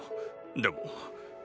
でも。